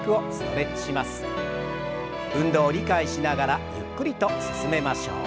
運動を理解しながらゆっくりと進めましょう。